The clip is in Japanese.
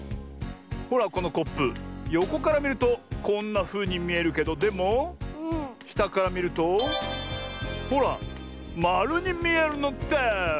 ほらこのコップよこからみるとこんなふうにみえるけどでもしたからみるとほらまるにみえるのです！